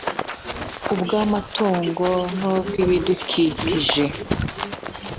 ubw amatungo n ubw ibidukikije